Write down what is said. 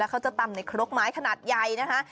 แล้วเขาจะตำในโคร็กไม้ขนาดใยนะคะ